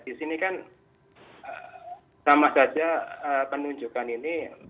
disini kan sama saja penunjukan ini